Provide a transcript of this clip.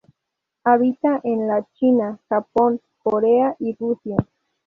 Habita en la China, Japón, Corea y Rusia.